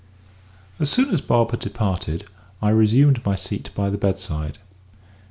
As soon as Bob had departed, I resumed my seat by the bedside.